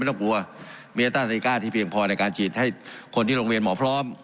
ต้องกลัวเมียต้าเซก้าที่เพียงพอในการฉีดให้คนที่โรงเรียนหมอพร้อม